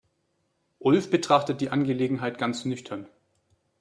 Ulf betrachtet die Angelegenheit ganz nüchtern.